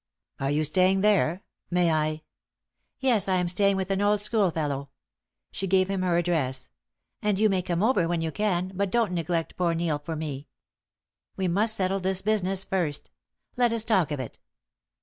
"Are you staying there? May I " "Yes, I am staying with an old schoolfellow." She gave him her address. "And you may come over when you can, but don't neglect poor Neil for me. We must settle this business first. Let us talk of it."